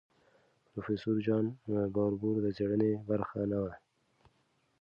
پروفیسور جان باربور د څېړنې برخه نه وه.